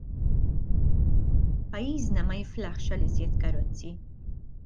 Pajjiżna ma jiflaħx għal iżjed karozzi.